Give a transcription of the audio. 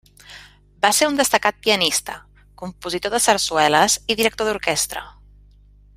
Va ser un destacat pianista, compositor de sarsueles i director d'orquestra.